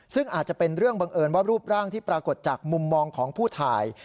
ซึ่งอาจจะเป็นเรื่องบังเอิญว่ารูปร่างที่ปรากฏจากมุมมองของผู้ถ่าย